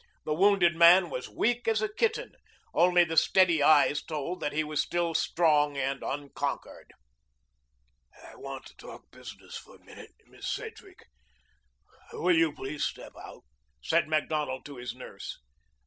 The wounded man was weak as a kitten; only the steady eyes told that he was still strong and unconquered. "I want to talk business for a minute, Miss Sedgwick. Will you please step out?" said Macdonald to his nurse.